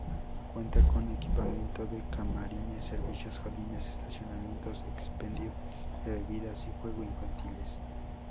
Cuenta con equipamiento de camarines, servicios, jardines, estacionamientos, expendio de bebidas y juegos infantiles.